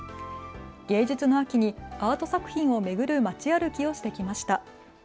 芸術の秋にアート作品を巡る街歩きをしてきました。